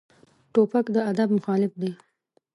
توپک د ادب مخالف دی.